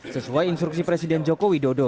sesuai instruksi presiden jokowi dodo